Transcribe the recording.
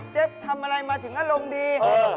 ทำอะไรมาถึงอารมณ์ดี